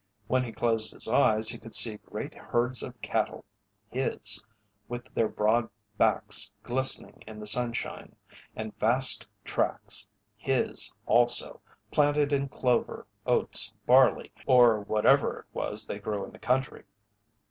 When he closed his eyes he could see great herds of cattle his with their broad backs glistening in the sunshine, and vast tracts his also planted in clover, oats, barley, or whatever it was they grew in the country.